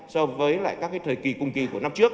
so với lại các thời kỳ cùng kỳ của năm trước